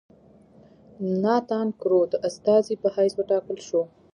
ناتان کرو د استازي په حیث وټاکل شو.